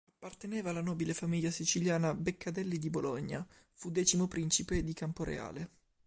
Apparteneva alla nobile famiglia siciliana Beccadelli di Bologna, fu X Principe di Camporeale.